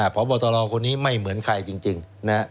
พบตรคนนี้ไม่เหมือนใครจริง